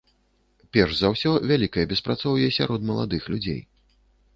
Перш за ўсё, вялікае беспрацоўе сярод маладых людзей.